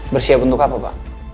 bersiap untuk apa pak